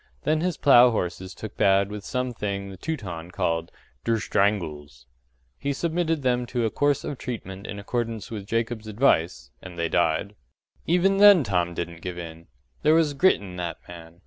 Then his plough horses took bad with some thing the Teuton called “der shtranguls.” He submitted them to a course of treatment in accordance with Jacob's advice and they died. Even then Tom didn't give in there was grit in that man.